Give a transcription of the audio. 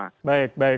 baik baik pak arief